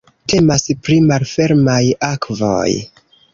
Temas pri malfermaj akvoj.